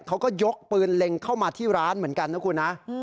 เขาก็ยกปืนเล็งเข้ามาที่ร้านเหมือนกันนะคุณนะ